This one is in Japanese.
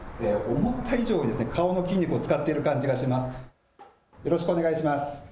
思った以上に顔の筋肉を使っている感じがします。